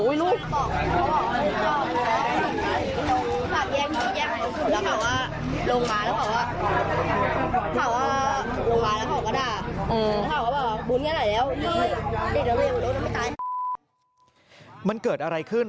แยงแยงลงมาแล้วขอว่าขอว่าบุญกันไหนแล้วมันเกิดอะไรขึ้น